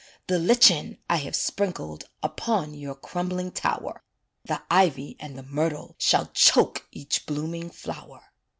"The lichen I have sprinkled Upon your crumbling tower, The ivy and the myrtle Shall choke each blooming flower."